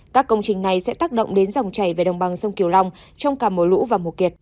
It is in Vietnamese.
các công trình này sẽ tác động đến dòng chảy về đồng bằng sông kiều long trong cả mùa lũ và mùa kiệt